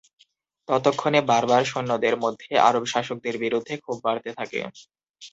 ততক্ষণে বার্বার সৈন্যদের মধ্যে আরব শাসকদের বিরুদ্ধে ক্ষোভ বাড়তে থাকে।